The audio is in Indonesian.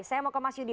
saya mau ke mas yudi